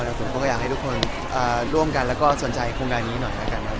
ผมก็อยากให้ทุกคนร่วมกันแล้วก็สนใจโครงการนี้หน่อยแล้วกันครับ